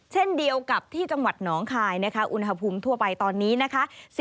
เช่นเดียวกับที่จังหวัดหนองคายนะคะอุณหภูมิทั่วไปตอนนี้นะคะ